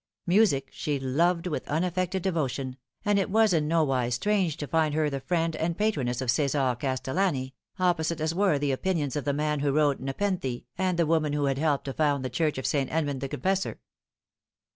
Music she loved with unaffected devotion, and it was in nowise strange to find her the friend and patroness of C6sar Castellani, opposite as were the opinions of the man who wrote Nepenthe and the woman who had helped to found the church of St. Edmund the Confessor.